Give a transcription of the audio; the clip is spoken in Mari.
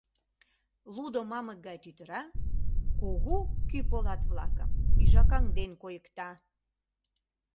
Лудо мамык гай тӱтыра кугу кӱ полат-влакым ӱжакаҥден койыкта.